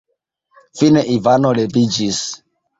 Fine Ivano leviĝis.